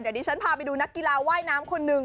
เดี๋ยวดิฉันพาไปดูนักกีฬาว่ายน้ำคนหนึ่ง